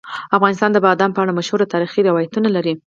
افغانستان د بادام په اړه مشهور تاریخی روایتونه لري.